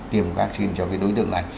tiêm vaccine cho cái đối tượng này